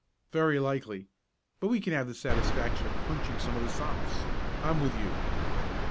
"Very likely, but we can have the satisfaction of punching some of the Sophs. I'm with you."